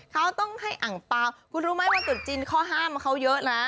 เขาต้องให้อังเปล่าคุณรู้ไหมวันตุดจีนข้อห้ามเขาเยอะนะ